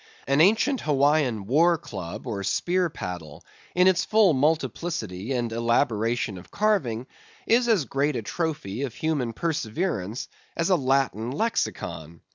An ancient Hawaiian war club or spear paddle, in its full multiplicity and elaboration of carving, is as great a trophy of human perseverance as a Latin lexicon.